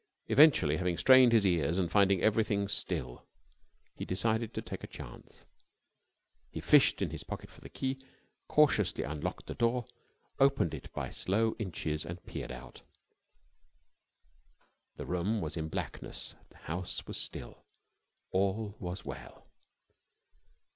Eventually, having strained his ears and finding everything still, he decided to take a chance. He fished in his pocket for the key, cautiously unlocked the door, opened it by slow inches, and peered out. The room was in blackness. The house was still. All was well.